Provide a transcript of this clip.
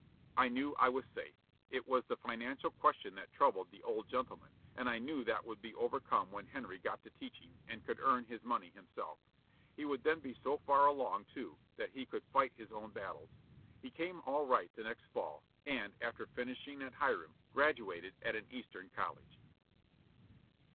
"I knew I was safe. It was the financial question that troubled the old gentleman, and I knew that would be overcome when Henry got to teaching, and could earn his money himself. He would then be so far along, too, that he could fight his own battles. He came all right the next fall, and, after finishing at Hiram, graduated at an eastern college."